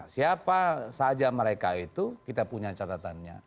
siapa saja mereka itu kita punya catatannya